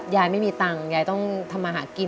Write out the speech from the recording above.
ยายไม่มีตังค์ยายต้องทำมาหากิน